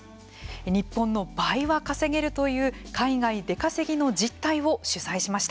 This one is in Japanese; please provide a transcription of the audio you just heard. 日本の倍は稼げるという海外出稼ぎの実態を取材しました。